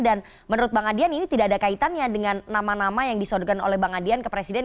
dan menurut bang adian ini tidak ada kaitannya dengan nama nama yang disodokan oleh bang adian ke presiden